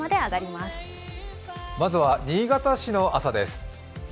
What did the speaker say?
まずは新潟市の朝です。